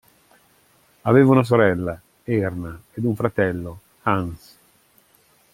Aveva una sorella, Erna ed un fratello, Hans.